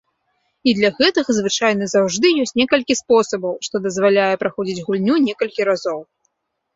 І для гэтага звычайна заўжды ёсць некалькі спосабаў, што дазваляе праходзіць гульню некалькі разоў.